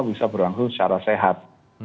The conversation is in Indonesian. bisa berlangsung secara sehat